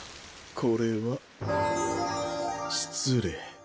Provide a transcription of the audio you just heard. これは失礼。